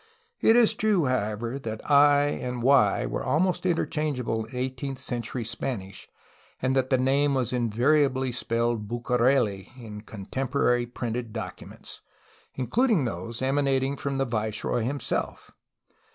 It is true, however, that "i" and "y" were almost interchange able in eighteenth century Spanish and that the name was invariably spelled "Bucareli" in contemporary printed docu ments, including those emanating from the viceroy himself.